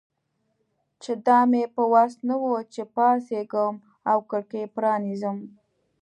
چې دا مې په وسه نه وه چې پاڅېږم او کړکۍ پرانیزم.